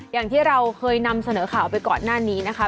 อย่างที่เราเคยนำเสนอข่าวไปก่อนหน้านี้นะคะ